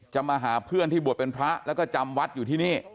มาหาเพื่อนที่บวชเป็นพระแล้วก็จำวัดอยู่ที่นี่